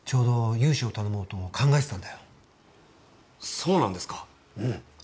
そうなんですか。